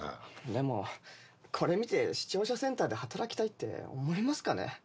でもこれ見て視聴者センターで働きたいって思いますかね？